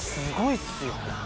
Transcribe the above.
すごいっすよ。